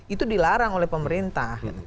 itu dilarang oleh pemerintah